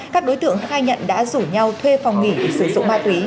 các đối tượng khai nhận đã rủ nhau thuê phòng nghỉ để sử dụng ma túy